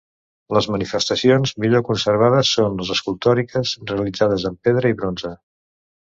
Les manifestacions millor conservades són les escultòriques, realitzades en pedra i bronze.